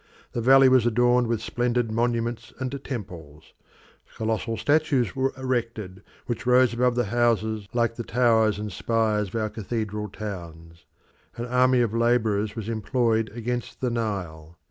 The valley was adorned with splendid monuments and temples; colossal statues were erected, which rose above the houses like the towers and spires of our cathedral towns. An army of labourers was employed against the Nile.